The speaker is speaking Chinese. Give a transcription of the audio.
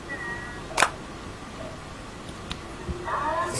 绛县华溪蟹为溪蟹科华溪蟹属的动物。